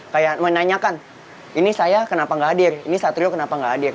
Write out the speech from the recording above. kayak menanyakan ini saya kenapa gak hadir ini satrio kenapa nggak hadir